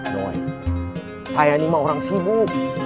doi saya nih mah orang sibuk